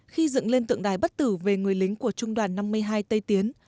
khi dựng lên tượng đài bất tử về người lính của trung đoàn năm mươi hai tây tiến